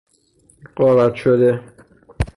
غارت شده